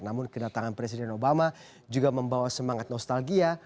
namun kedatangan presiden obama juga membawa semangat nostalgia